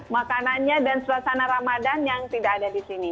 makanannya dan suasana ramadan yang tidak ada di sini